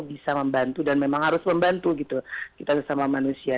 bisa membantu dan memang harus membantu gitu kita sesama manusia